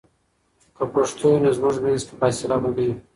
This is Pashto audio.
که پښتو وي، نو زموږ منځ کې فاصله به نه وي.